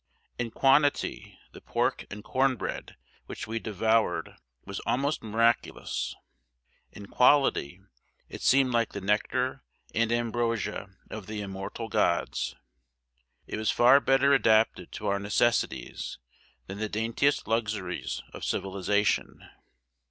In quantity, the pork and corn bread which we devoured was almost miraculous; in quality, it seemed like the nectar and ambrosia of the immortal gods. It was far better adapted to our necessities than the daintiest luxuries of civilization.